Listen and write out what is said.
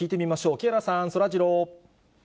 木原さん、そらジロー。